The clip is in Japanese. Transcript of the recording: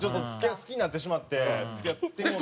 好きになってしまって付き合ってもうた。